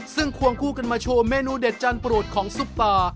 ซึ่งควงคู่กันมาโชว์เมนูเด็ดจานโปรดของซุปตา